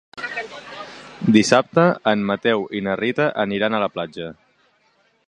Dissabte en Mateu i na Rita aniran a la platja.